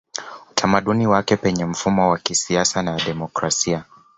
Utamaduni wake Penye mfumo wa kisiasa ya demokrasia